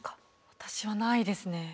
私はないですね。